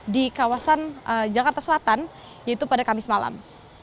di kawasan jakarta selatan yaitu pada kamis malam